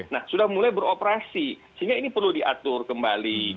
nah sudah mulai beroperasi sehingga ini perlu diatur kembali